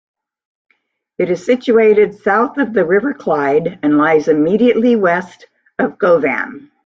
It is situated south of the River Clyde and lies immediately west of Govan.